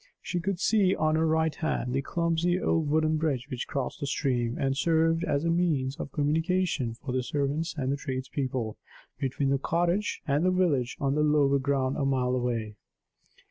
She could see, on her right hand, the clumsy old wooden bridge which crossed the stream, and served as a means of communication for the servants and the tradespeople, between the cottage and the village on the lower ground a mile away.